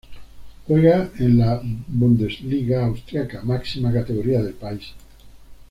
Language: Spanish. Juega en la Bundesliga austriaca, máxima categoría del país.